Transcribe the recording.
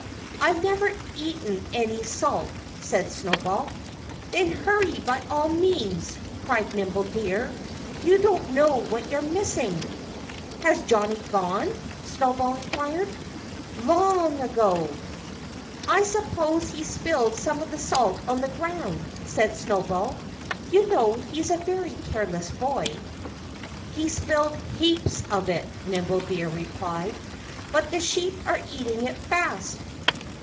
"I've never eaten any salt," said Snowball. "Then hurry, by all means!" cried Nimble Deer. "You don't know what you're missing." "Has Johnnie gone?" Snowball inquired. "Long ago!" "I suppose he spilled some of the salt on the ground," said Snowball. "You know he's a very careless boy." "He spilled heaps of it," Nimble Deer replied. "But the sheep are eating it fast."